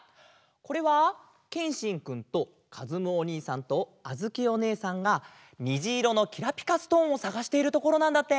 これはけんしんくんとかずむおにいさんとあづきおねえさんがにじいろのきらぴかストーンをさがしているところなんだって！